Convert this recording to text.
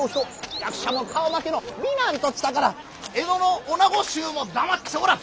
役者も顔負けの美男ときたから江戸の女子衆も黙っちゃおらず。